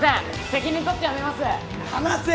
責任取って辞めます。